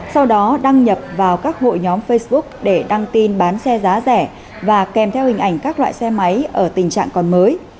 sau đó đăng nhập vào các hội nhóm facebook để đăng tin bán xe giá rẻ và kèm theo hình ảnh các loại xe máy ở tình trạng còn mới